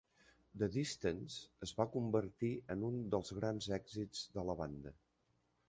"The Distance" es va convertir en un dels grans èxits de la banda.